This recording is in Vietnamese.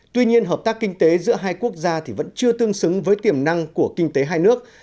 tuy nhiên hợp tác kinh tế giữa hai quốc gia thì vẫn chưa tương xứng với tiềm năng của kinh tế hai nước